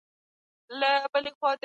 آیا موږ نړیوال حکومت ته اړتیا لرو؟